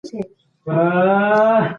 پښتو کتابونه په مینه ولوله.